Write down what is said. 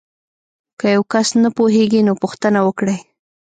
که یو کس نه پوهیږي نو پوښتنه وکړئ.